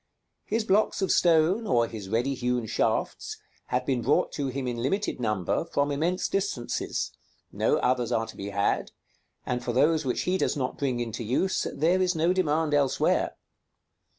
His blocks of stone, or his ready hewn shafts, have been brought to him in limited number, from immense distances; no others are to be had; and for those which he does not bring into use, there is no demand elsewhere.